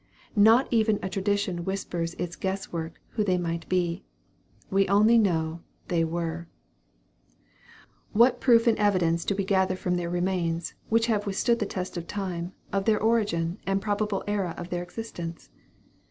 Not even a tradition whispers its guess work, who they might be. We only know they were. What proof and evidence do we gather from their remains, which have withstood the test of time, of their origin and probable era of their existence?